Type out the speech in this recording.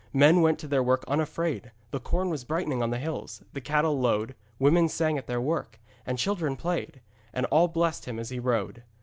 Men went to their work unafraid, the corn was brightening on the hills, the cattle lowed, women sang at their work, and children played. And all blessed him as he rode.